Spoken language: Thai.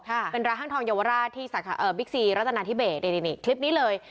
ค่ะเป็นร้านห้างทองเยาวราชที่สาขาเอ่อบิ๊กซีรัตนาธิเบสนี่นี่คลิปนี้เลย